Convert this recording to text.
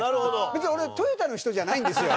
別に俺トヨタの人じゃないんですよ。